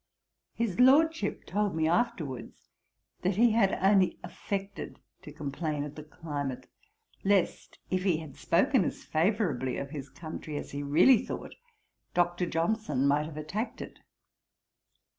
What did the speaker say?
His Lordship told me afterwards, that he had only affected to complain of the climate; lest, if he had spoken as favourably of his country as he really thought, Dr. Johnson might have attacked it.